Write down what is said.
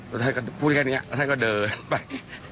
แล้วท่านก็พูดแค่นี้แล้วท่านก็เดินไป